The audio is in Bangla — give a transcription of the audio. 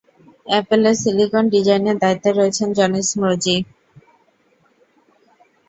অ্যাপলের সিলিকন ডিজাইনের দায়িত্বে রয়েছেন জনি স্রোজি।